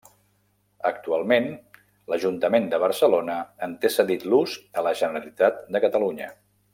Actualment l'Ajuntament de Barcelona en té cedit l'ús a la Generalitat de Catalunya.